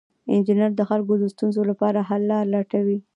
انجینر د خلکو د ستونزو لپاره حل لارې لټوي.